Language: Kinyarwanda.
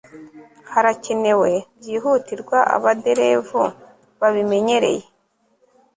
harakenewe byihutirwa abaderevu babimenyereye